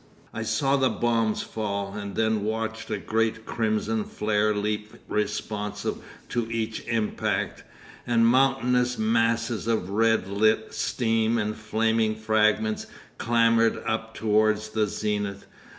I saw the bombs fall, and then watched a great crimson flare leap responsive to each impact, and mountainous masses of red lit steam and flying fragments clamber up towards the zenith.